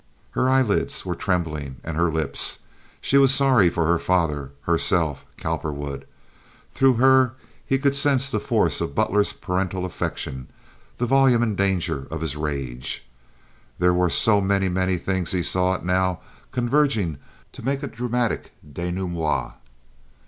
Her eyelids, were trembling, and her lips. She was sorry for her father, herself, Cowperwood. Through her he could sense the force of Butler's parental affection; the volume and danger of his rage. There were so many, many things as he saw it now converging to make a dramatic denouement.